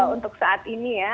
untuk saat ini ya